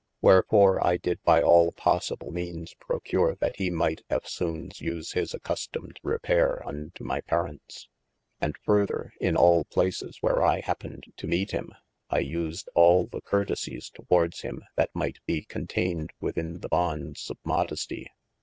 Wherfore I d[id] by al possible meanes pro cure that he might eftsones use his accustomed rep[ayr]e unto my parentes : And further, in al places where I hapened to meete him, I used al the curtesies towardes him that might be contayned wythin the bondes of modestie.